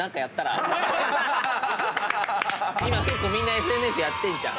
今結構みんなＳＮＳやってんじゃん。